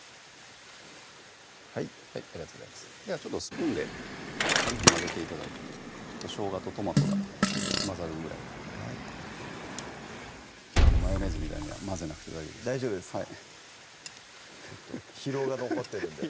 はいありがとうございますではスプーンで軽く混ぜて頂いてしょうがとトマトが混ざるぐらいではい昨日のマヨネーズみたいには混ぜなくて大丈夫です大丈夫ですか？